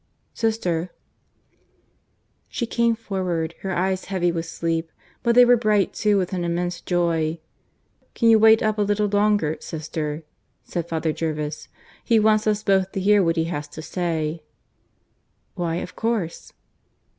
"Sister " She came forward, her eyes heavy with sleep, but they were bright too with an immense joy. "Can you wait up a little longer, sister?" said Father Jervis. "He wants us both to hear what he has to say." "Why, of course."